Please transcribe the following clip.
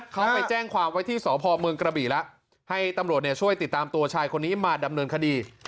เขาไปแจ้งความไว้ที่สพเมืองกระบี่แล้วให้ตำรวจช่วยติดตามตัวชายคนนี้มาดำเนินคดี